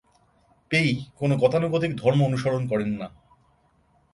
পেই কোন গতানুগতিক ধর্ম অনুসরণ করেন না।